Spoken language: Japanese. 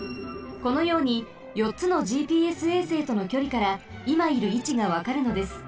このようによっつのＧＰＳ衛星とのきょりからいまいるいちがわかるのです。